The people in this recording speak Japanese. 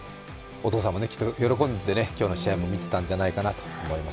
お父様もね、きっと喜んで今日の試合を見ていたんじゃないかと思います